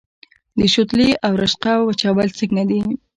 د شوتلې او رشقه وچول څنګه دي؟